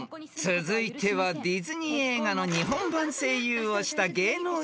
［続いてはディズニー映画の日本版声優をした芸能人から出題］